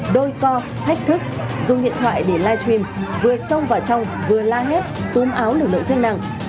đôi co thách thức dùng điện thoại để live stream vừa xông vào trong vừa la hét túm áo lực lượng chức năng